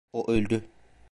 O öldü.